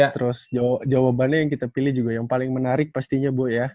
terus jawabannya yang kita pilih juga yang paling menarik pastinya bu ya